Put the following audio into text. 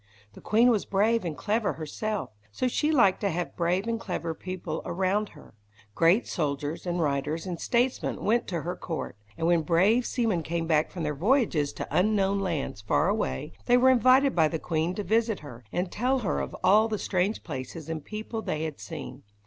The queen was brave and clever herself, so she liked to have brave and clever people around her. Great soldiers, and writers, and statesmen went to her court; and when brave seamen came back from their voyages to unknown lands far away, they were invited by the queen to visit her, and tell her of all the strange places and people they had seen.